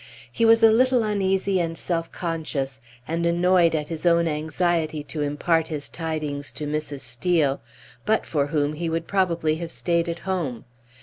He was a little uneasy and self conscious, and annoyed at his own anxiety to impart his tidings to Mrs. Steel, but for whom he would probably have stayed at home.